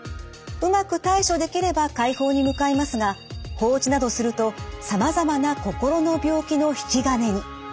うまく対処できれば快方に向かいますが放置などするとさまざまな心の病気の引き金に。